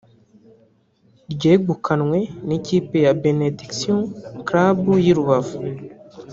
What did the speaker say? ryegukanwe n’ikipe ya Benediction Club y’i Rubavu